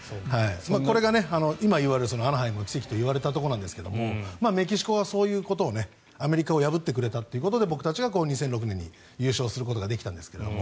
これが今、いわれるアナハイムの奇跡といわれたところですがメキシコはそういうことをアメリカを破ってくれたということで僕たちが２００６年に優勝することができたんですけど。